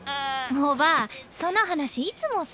おばあその話いつもさ。